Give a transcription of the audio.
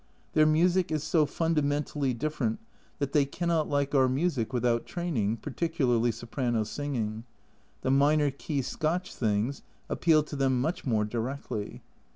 Their music is so fundamentally A Journal from Japan 81 different that they cannot like our music without training, particularly soprano singing ; the minor key Scotch things appeal to them much more directly.